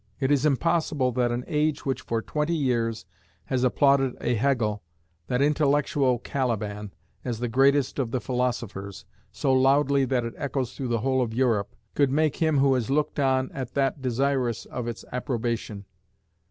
It is impossible that an age which for twenty years has applauded a Hegel, that intellectual Caliban, as the greatest of the philosophers, so loudly that it echoes through the whole of Europe, could make him who has looked on at that desirous of its approbation.